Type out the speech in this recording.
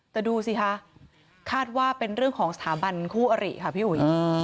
แต่ดูสิคะคาดว่าเป็นของสถาบันครูอริพี่อุ้ย